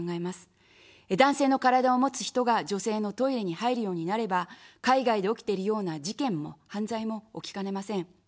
男性の体を持つ人が女性のトイレに入るようになれば、海外で起きているような事件も犯罪も起きかねません。